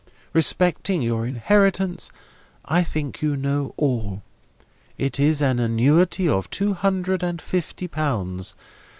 Respecting your inheritance, I think you know all. It is an annuity of two hundred and fifty pounds.